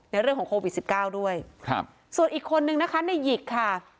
ในเรื่องของโควิด๑๙ด้วยส่วนอีกคนนึงนะคะในหยิกค่ะ